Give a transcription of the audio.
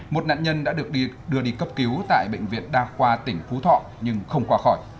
một nạn nhân đã được đưa đi cấp cứu tại bệnh viện đa khoa tỉnh phú thọ nhưng không qua khỏi